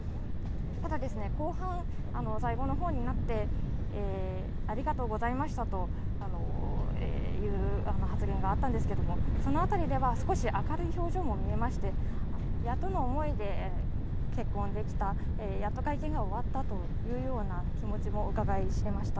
ただ後半、最後の方になってありがとうございましたという発言があったんですけどそのあたりでは少し明るい表情も見えまして、やっとの思いで結婚できた、やっと会見が終わったというような気持ちもうかがい知れました。